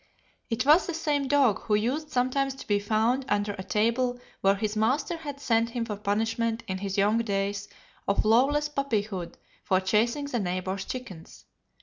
"It was the same dog who used sometimes to be found under a table where his master had sent him for punishment in his young days of lawless puppy hood for chasing the neighbor's chickens.